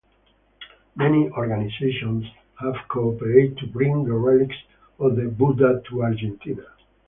Many organizations have cooperated to bring the relics of the Buddha to Argentina.